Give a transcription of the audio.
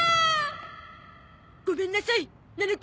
ごめんなさいななこ